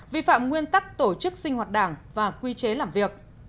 vi phạm nguyên tắc tổ chức sinh hoạt đảng và quy chế làm việc